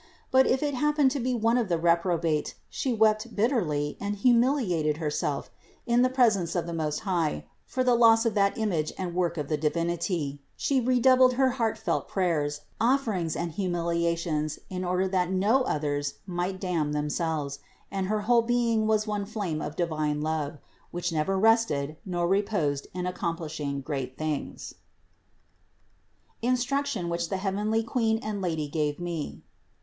But if it happened to be one of the reprobate, She wept bitterly and humiliated Herself in the presence of the Most High for the loss of that image and work of the Divinity ; She redoubled her heart felt prayers, offerings and humiliations in order that no others might damn themselves, and her whole being was one flame of divine love, which never rested nor re posed in accomplishing great things. 212 CITY OF GOD INSTRUCTION WHICH THE HEAVENLY QUEEN AND LADY GAVE ME.